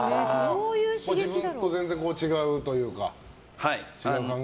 自分と全然違うというか？